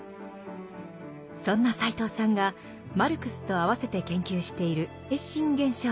そんな斎藤さんがマルクスとあわせて研究している「精神現象学」。